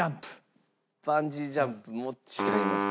バンジージャンプも違います。